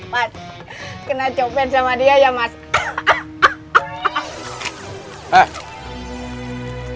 mas kena copet sama dia ya mas